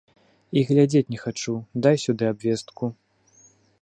І глядзець не хачу, дай сюды абвестку.